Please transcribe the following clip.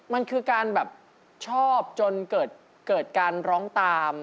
มันคือการแบบชอบจนเกิดการร้องตาม